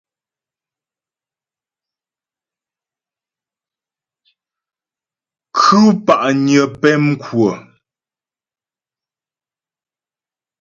Khʉ̂ pa'nyə pɛmkwə.